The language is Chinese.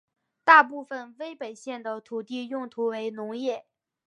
大部分威北县的土地用途为农业。